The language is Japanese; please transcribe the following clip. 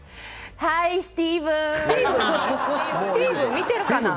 スティーブ、見てるかな。